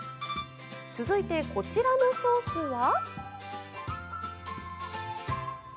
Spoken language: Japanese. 続いて、こちらのソースは？